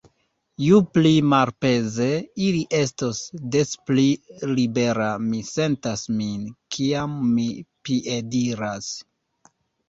Ju pli malpeze ili estos, des pli libera mi sentas min, kiam mi piediras.